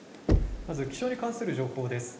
まず気象に関する情報です。